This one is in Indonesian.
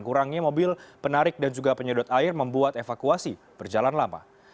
kurangnya mobil penarik dan juga penyedot air membuat evakuasi berjalan lama